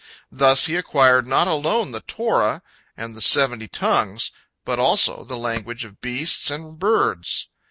Thus he acquired not alone the Torah and the seventy tongues, but also the language of beasts and birds.